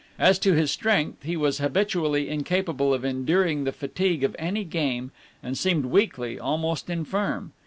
As to his strength, he was habitually incapable of enduring the fatigue of any game, and seemed weakly, almost infirm.